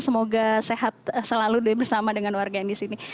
semoga sehat selalu bersama dengan warga yang di sini